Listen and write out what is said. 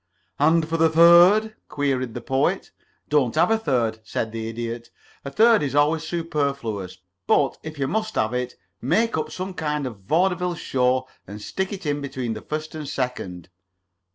"And for the third?" queried the Poet. "Don't have a third," said the Idiot. "A third is always superfluous; but, if you must have it, make up some kind of a vaudeville show and stick it in between the first and second."